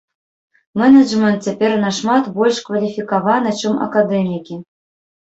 Менеджмент цяпер нашмат больш кваліфікаваны, чым акадэмікі.